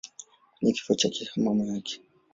kwenye kifo cha mama yake.